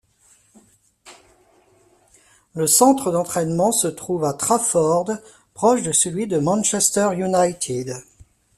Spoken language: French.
Le centre d'entraînement se trouve à Trafford, proche de celui de Manchester United.